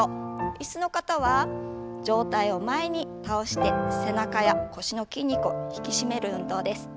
椅子の方は上体を前に倒して背中や腰の筋肉を引き締める運動です。